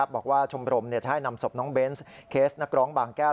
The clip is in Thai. บอกว่าชมรมจะให้นำศพน้องเบนส์เคสนักร้องบางแก้ว